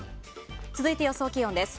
続いて、予想気温です。